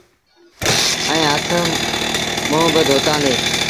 ائيٚݩ هٿ منهن با ڌوتآندي۔